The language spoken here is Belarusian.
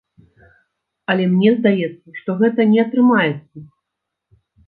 Але мне здаецца, што гэта не атрымаецца.